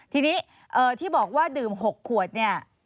ทีนี้ที่บอกว่าดื่ม๖ขวดเนี่ย